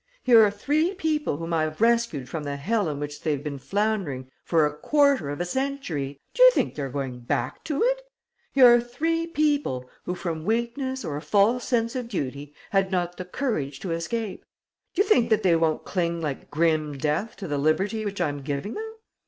Here are three people whom I have rescued from the hell in which they have been floundering for a quarter of a century. Do you think they're going back to it? Here are three people who, from weakness or a false sense of duty, had not the courage to escape. Do you think that they won't cling like grim death to the liberty which I'm giving them?